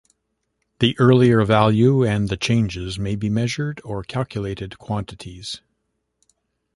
The earlier value and the changes may be measured or calculated quantities.